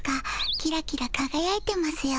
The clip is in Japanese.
キラキラかがやいてますよ。